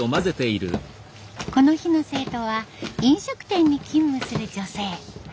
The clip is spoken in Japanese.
この日の生徒は飲食店に勤務する女性。